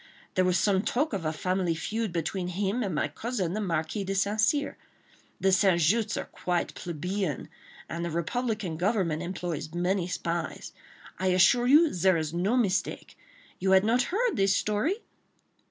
There was some talk of a family feud between him and my cousin, the Marquis de St. Cyr. The St. Justs' are quite plebeian, and the republican government employs many spies. I assure you there is no mistake. ... You had not heard this story?"